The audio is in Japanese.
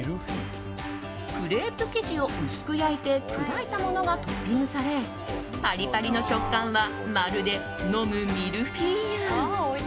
クレープ生地を薄く焼いて砕いたものがトッピングされパリパリの食感はまるで飲むミルフィーユ。